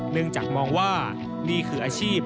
เนื่องจากมองว่านี่คืออาชีพ